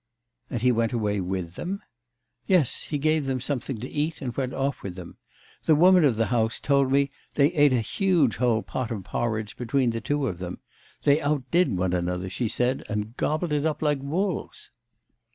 'And he went away with them?' 'Yes. He gave them something to eat and went off with them. The woman of the house told me they ate a whole huge pot of porridge between the two of them. They outdid one another, she said, and gobbled it up like wolves.